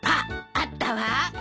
あったわ。